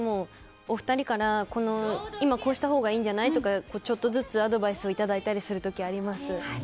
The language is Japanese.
お二人から今こうしたほうがいいんじゃない？とかちょっとずつアドバイスをいただいたりする時あります。